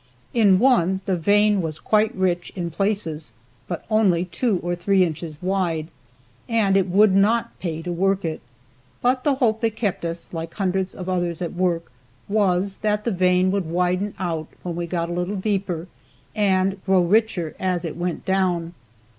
In one, the vein was quite rich in places, but only two or three inches wide, and it would not pay to work it; but the hope that kept us, like hundreds of others at work, was, that the vein would widen out when we got a little deeper and grow richer as it went down.